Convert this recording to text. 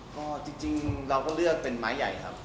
ก็จริงเราก็เลือกเป็นไม้ใหญ่ครับ